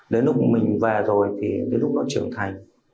đến lúc mình về rồi thì đến lúc nó trưởng thành